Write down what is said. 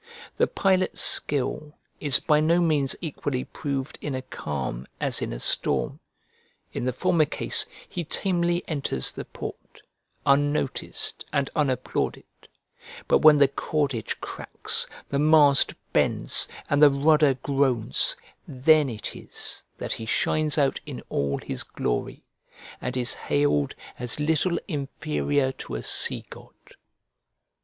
The pilot's skill is by no means equally proved in a calm as in a storm: in the former case he tamely enters the port, unnoticed and unapplauded; but when the cordage cracks, the mast bends, and the rudder groans, then it is that he shines out in all his glory, and is hailed as little inferior to a sea god.